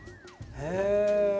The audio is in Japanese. へえ。